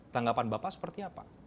tanggapan bapak seperti apa